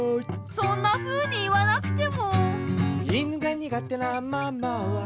そんなふうに言わなくても。